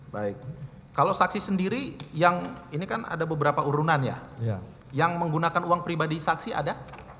baik kalau saksi sendiri yang ini kan ada beberapa urunan ya yang menggunakan uang pribadi saksi ada